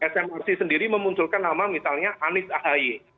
smrc sendiri memunculkan nama misalnya anies ahy